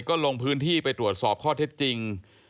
ก็ลงพื้นที่ไปตรวจสอบข้อเท็จจริง